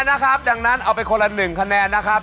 นะครับดังนั้นเอาไปคนละ๑คะแนนนะครับ